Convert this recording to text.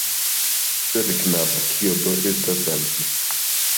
Sed knabo, kio do estas al vi...